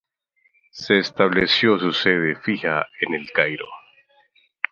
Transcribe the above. Se estableció su sede fija en El Cairo.